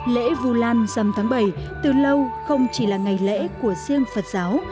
lễ vu lan dầm tháng bảy từ lâu không chỉ là ngày lễ của riêng phật giáo